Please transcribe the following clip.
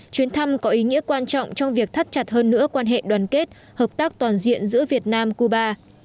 chuyến thăm có ý nghĩa quan trọng trong việc thắt chặt hơn nữa quan hệ đoàn kết hợp tác toàn diện giữa việt nam cuba